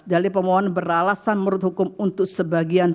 dalil pemohon beralasan menurut hukum untuk sebagian